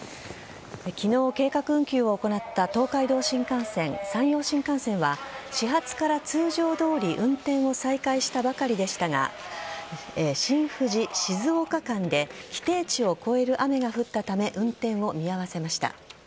昨日、計画運休を行った東海道新幹線、山陽新幹線は始発から通常どおり運転を再開したばかりでしたが新富士静岡間で規定値を超える雨が降ったため運転を見合わせました。